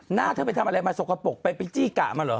หน้าเธอไปทำอะไรมาสกปรกไปไปจี้กะมาเหรอ